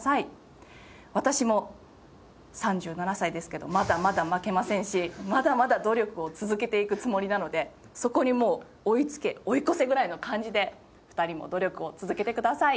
私も３７歳ですけどまだまだ負けませんしまだまだ努力を続けていくつもりなのでそこにもう追いつけ追い越せぐらいの感じで２人も努力を続けてください。